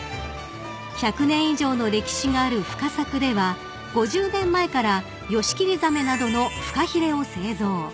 ［１００年以上の歴史があるフカサクでは５０年前からヨシキリザメなどのふかひれを製造］